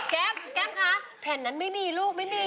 แก้มคะแผ่นนั้นไม่มีลูกไม่มี